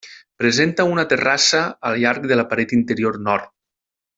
Presenta una terrassa al llarg de la paret interior nord.